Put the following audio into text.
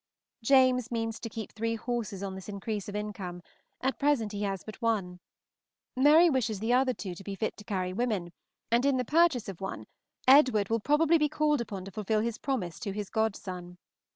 James means to keep three horses on this increase of income; at present he has but one. Mary wishes the other two to be fit to carry women, and in the purchase of one Edward will probably be called upon to fulfil his promise to his godson.